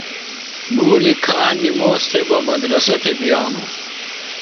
گُولیۡ کھا نِموس تھےۡ بہ مدرسہ تھےۡ بِیانوۡ۔